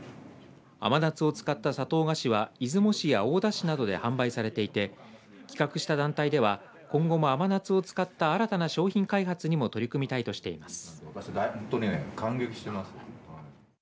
甘夏を使った砂糖菓子は出雲市や大田市などで販売されていて企画した団体では今後も甘夏を使った新たな商品開発にも取り組みたいとしています。